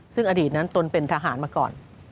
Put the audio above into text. ซึ่งอดีตนั้นตนเป็นทหารมาก่อน